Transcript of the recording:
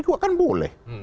itu akan boleh